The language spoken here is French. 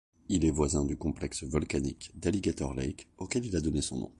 Il est voisin du complexe volcanique d'Alligator Lake auquel il a donné son nom.